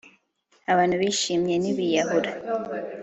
abantu bishimye ntibiyahura